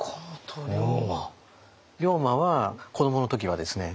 龍馬は子どもの時はですね